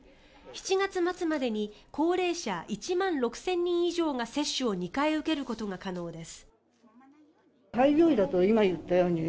７月末までに高齢者１万６０００人以上が接種を２回受けることが可能です。